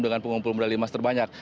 dengan pengumpul medali emas terbanyak